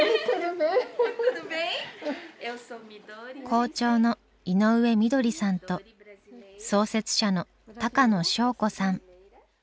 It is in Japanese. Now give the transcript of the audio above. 校長の井上みどりさんと創設者の高野祥子さん。